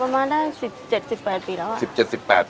มาได้๑๗๑๘ปีแล้วค่ะ